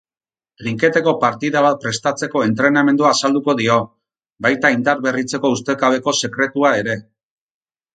Trinketeko partida bat prestatzeko entrenamendua azalduko dio, baita indarberritzeko ustekabeko sekretua ere.